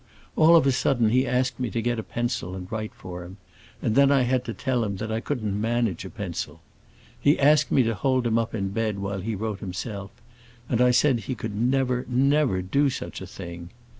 All of a sudden he asked me to get a pencil and write for him; and then I had to tell him that I couldn't manage a pencil. He asked me to hold him up in bed while he wrote himself, and I said he could never, never do such a thing.